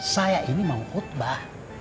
saya ini mau khutbah